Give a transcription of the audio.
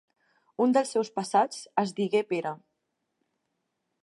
Un dels seus passats es digué Pere.